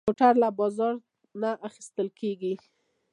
موټر له بازار نه اخېستل کېږي.